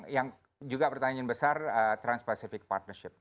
yang juga pertanyaan besar trans pacific partnership